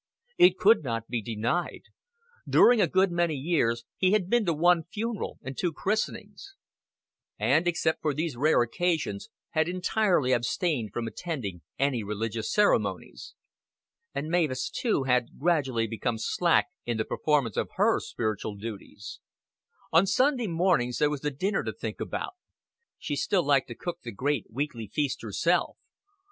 It could not be denied. During a good many years he had been to one funeral and two christenings; and, except for these rare occasions, had entirely abstained from attending any religious ceremonies. And Mavis too had gradually become slack in the performance of her spiritual duties. On Sunday mornings there was the dinner to think about. She still liked to cook the great weekly feast herself.